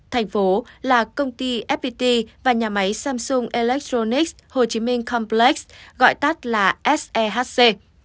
thành phố là công ty fpt và nhà máy samsung electronics hồ chí minh complex gọi tắt là sehc